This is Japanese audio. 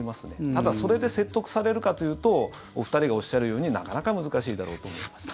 ただそれで説得されるかというとお二人がおっしゃるようになかなか難しいだろうと思います。